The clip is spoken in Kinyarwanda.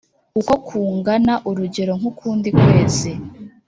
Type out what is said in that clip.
uko kungana, urugero nkukundi kwezi